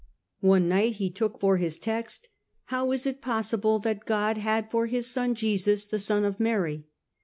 One night he took for his text :" How is it possible that God had for his son Jesus, the son of Mary